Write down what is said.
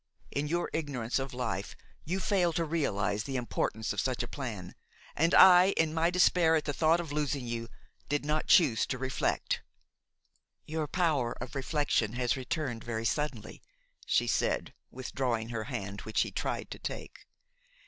In your ignorance of life, you failed to realize the importance of such a plan, and I, in my despair at the thought of losing you, did not choose to reflect–" "Your power of reflection has returned very suddenly!" she said, withdrawing her hand, which he tried to take.